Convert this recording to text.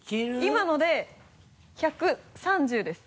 今ので１３０です。